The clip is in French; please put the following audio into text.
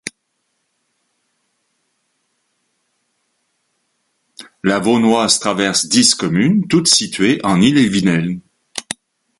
La Vaunoise traverse dix communes toutes situées en Ille-et-Vilaine.